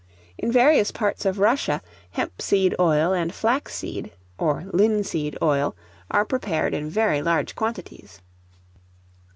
In various parts of Russia, hemp seed oil and flax seed (or linseed) oil are prepared in very large quantities.